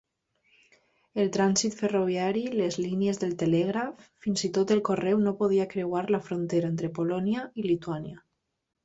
El trànsit ferroviari, les línies de telègraf... fins i tot el correu no podia creuar la frontera entre Polònia i Lituània.